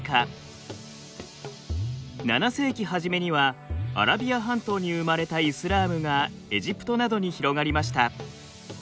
７世紀初めにはアラビア半島に生まれたイスラームがエジプトなどに広がりました。